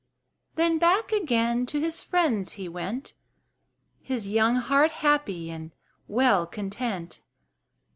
Then back again to his friends he went, His young heart happy and well content.